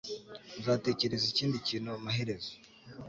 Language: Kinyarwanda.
Uzatekereza ikindi kintu amaherezo